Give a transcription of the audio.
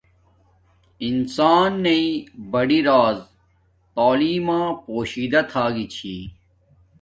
انسان نݵݵ بڑی راز تعیلم ما پوشیدہ تھا گی چھی